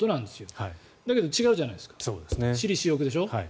だけど違うじゃないですか私利私欲でしょ。